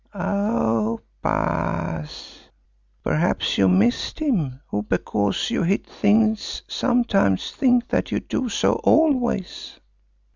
"Oh! Baas, perhaps you missed him, who because you hit things sometimes, think that you do so always."